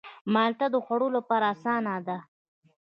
مالټه د خوړلو لپاره آسانه ده.